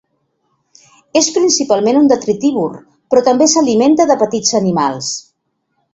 És principalment un detritívor, però també s'alimenta de petits animals.